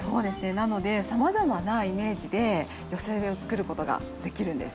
なのでさまざまなイメージで寄せ植えを作ることができるんです。